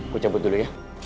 gue cabut dulu ya